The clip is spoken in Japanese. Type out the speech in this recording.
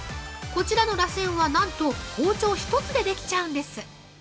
こちらのらせんは、何と、包丁１つでできちゃうんです。